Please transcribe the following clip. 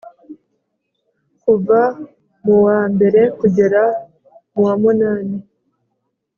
kuva mu wa mberekugera mu wa munani